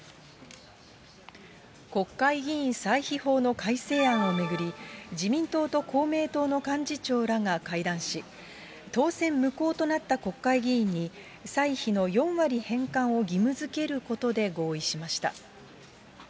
国会議員歳費法の改正案を巡り、自民党と公明党の幹事長らが会談し、当選無効となった国会議員に、歳費の４割返還を義務づけることで合意しました。